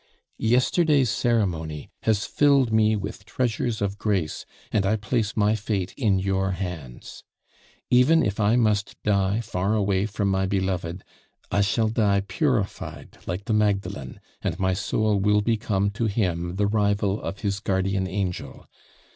"Yesterday's ceremony has filled me with treasures of grace, and I place my fate in your hands. Even if I must die far away from my beloved, I shall die purified like the Magdalen, and my soul will become to him the rival of his guardian angel.